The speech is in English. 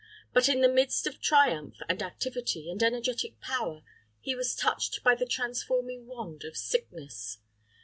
But in the midst of triumph, and activity, and energetic power, he was touched by the transforming wand of sickness.